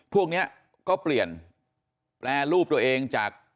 พวกนี้ก็เปลี่ยนแปรรูปตัวเองจาก